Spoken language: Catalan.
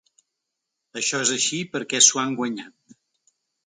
Això és així perquè s’ho han guanyat.